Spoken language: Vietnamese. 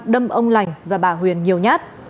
đâm ông lành và bà huyền nhiều nhát